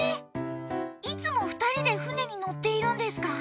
いつも２人で船に乗っているんですか？